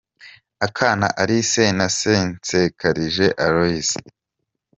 Akana Alice na se Nsekarije Aloys